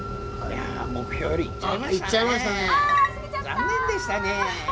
残念でしたねぇ。